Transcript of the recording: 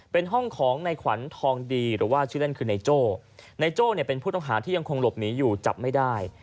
เป็นห้องของในขวัญทองดีหรือว่าชื่อเล่นคือนายโจ้นายโจ้เนี่ยเป็นผู้ต้องหาที่ยังคงหลบหนีอยู่จับไม่ได้